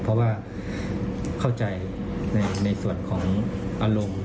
เพราะว่าเข้าใจในส่วนของอารมณ์